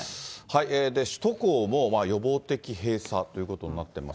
首都高も予防的閉鎖ということになってます。